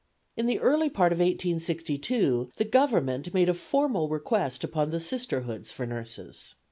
In the early part of 1862 the Government made a formal request upon the Sisterhoods for nurses.